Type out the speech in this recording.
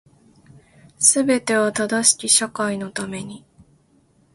全ては正しき社会のために